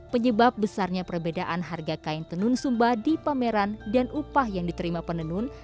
penyebab besarnya perbedaan harga kain tenun sumba di pameran dan upah yang diterima penenun